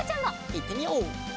いってみよう！